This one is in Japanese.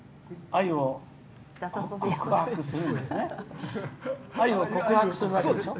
愛を告白するわけでしょ？